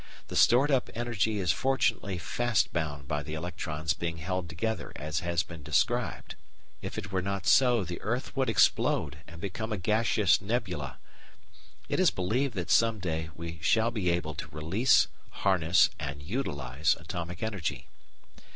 The stored up energy is fortunately fast bound by the electrons being held together as has been described. If it were not so "the earth would explode and become a gaseous nebula"! It is believed that some day we shall be able to release, harness, and utilise atomic energy.